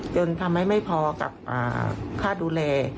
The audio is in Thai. จนทำให้ไม่พอกับค่าดูแล